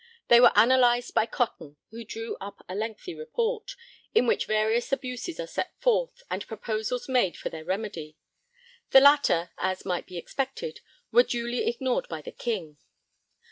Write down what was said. They were analysed by Cotton, who drew up a lengthy report in which various abuses are set forth and proposals made for their remedy; the latter, as might be expected, were duly ignored by the King.